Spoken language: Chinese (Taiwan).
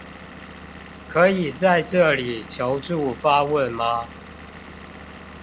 可以在這裡求助發問嗎